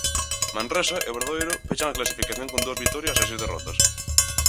Manresa e Obradoiro pechan a clasificación con dúas vitorias e seis derrotas.